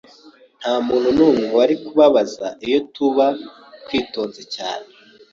Ntamuntu numwe wari kubabaza iyo tuba twitonze cyane.